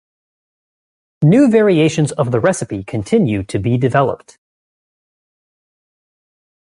New variations of the recipe continue to be developed.